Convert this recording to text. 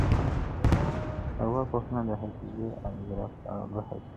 ارواپوهنه د حافظې او ادراک په اړه بحث کوي.